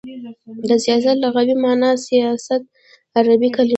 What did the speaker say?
د سیاست لغوی معنا : سیاست عربی کلمه ده.